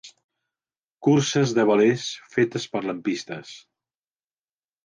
Curses de velers fetes per lampistes.